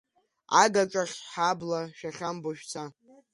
Агаҿахь, ҳабла шәахьамбо шәца!